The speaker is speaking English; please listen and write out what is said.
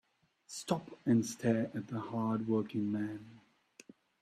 Stop and stare at the hard working man.